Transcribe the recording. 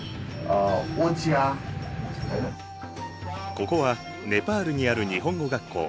ここはネパールにある日本語学校。